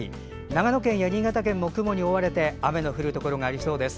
長野県や新潟県も雲に覆われ雨の降るところがありそうです。